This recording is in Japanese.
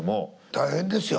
大変ですよ。